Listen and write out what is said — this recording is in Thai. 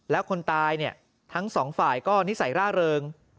แล้วคนตายเนี่ยทั้งสองฝ่ายก็นิสัยร่าเริง